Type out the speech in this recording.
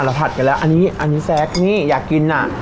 เราผัดกันแล้วอันนี้แซ็กอยากกินน่ะ